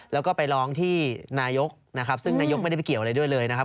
แล้วก็ไปร้องที่นายกนะครับซึ่งนายกไม่ได้ไปเกี่ยวอะไรด้วยเลยนะครับ